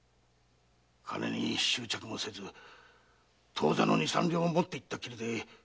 金に執着もせず当座の二三両持っていったきりで。